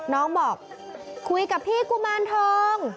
น้องบอกคุยกับพี่กุมารทอง